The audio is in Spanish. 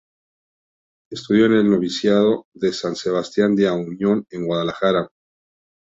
Estudió en el noviciado de San Sebastián de Auñón en Guadalajara.